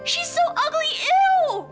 dia sangat buruk eww